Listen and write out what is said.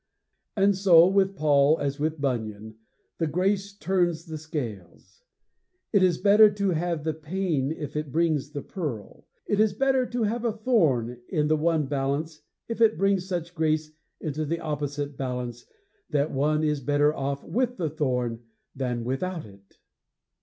And so, with Paul as with Bunyan, the grace turns the scales. It is better to have the pain if it brings the pearl. It is better to have a thorn in the one balance if it brings such grace into the opposite balance that one is better off with the thorn than without it.